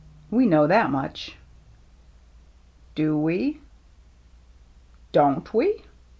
We know that much." "Do we?" " Don't we